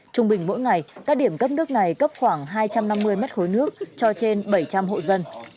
trung bình mỗi ngày các điểm cấp nước này cấp khoảng hai trăm năm mươi mét khối nước cho trên bảy trăm linh hộ dân